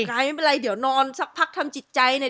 ยายไม่เป็นไรเดี๋ยวนอนสักพักทำจิตใจเนี่ย